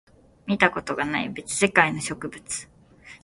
見たことがない別世界の植物